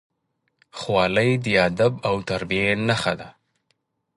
خولۍ د ادب او تربیې نښه ده.